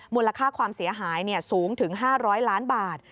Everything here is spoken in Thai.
มูลค่าความเสียหายสูงถึง๕๐๐ล้านบาท